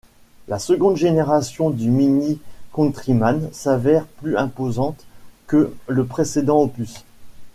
La seconde génération du Mini Countryman s'avère plus imposante que le précédent opus.